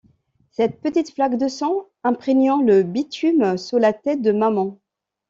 Cette petite flaque de sang imprégnant le bitume sous la tête de maman.